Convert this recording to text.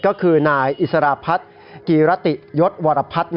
ก็คือนายอิสรพัฒน์กีรติยศวรพัฒน์